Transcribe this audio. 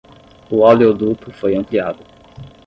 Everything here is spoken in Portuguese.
O oleoduto foi ampliado